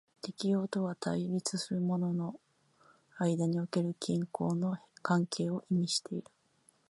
適応とは対立するものの間における均衡の関係を意味している。